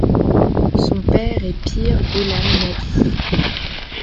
Son père est Peer Ghulam Nabi.